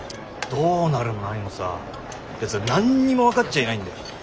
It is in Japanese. どうなるも何もさやつらは何にも分かっちゃいないんだよ。